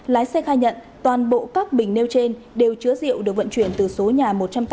lái xe khai nhận toàn bộ các bình nêu trên đều chứa rượu được vận chuyển từ số nhà một trăm tám mươi tám